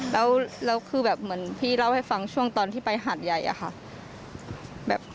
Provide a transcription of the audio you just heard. แล้วคือแบบเหมือนพี่เล่าให้ฟังช่วงตอนที่ไปหาดใหญ่อะค่ะ